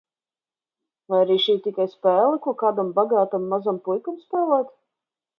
Vai arī šī tikai spēle, ko kādam bagātam, mazam puikam spēlēt?